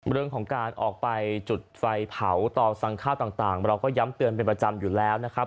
เรื่องของการออกไปจุดไฟเผาต่อสั่งข้าวต่างเราก็ย้ำเตือนเป็นประจำอยู่แล้วนะครับ